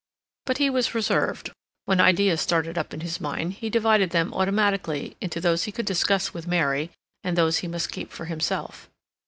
But he was reserved; when ideas started up in his mind, he divided them automatically into those he could discuss with Mary, and those he must keep for himself.